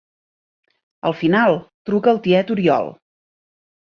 Al final, truca al tiet Oriol.